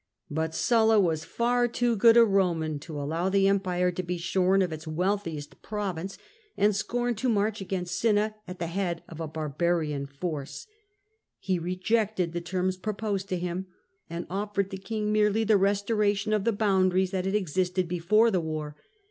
But Sulla was far too good a Eoman to allow the empire to be shorn of its wealthiest province, and scorned to march against Cinna at the head of a barbarian force. He rejected the terms proposed to him, and offered the king merely the restoration of the boundaries that had existed before the war.